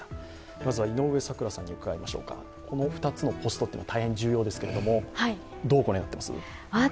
まずは井上咲楽さんに伺いましょうか、この２つのポストは大変重要ですが、どう御覧になっていますか？